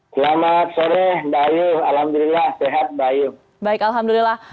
selamat sore baik alhamdulillah